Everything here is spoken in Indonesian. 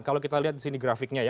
kalau kita lihat di sini grafiknya ya